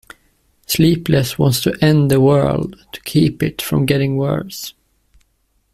Sleepless wants to end the world to keep it from getting worse.